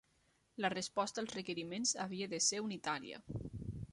La resposta als requeriments havia de ser unitària.